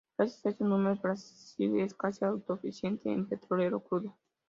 Gracias a estos números, Brasil es casi autosuficiente en petróleo crudo.